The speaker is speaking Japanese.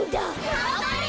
がんばれ。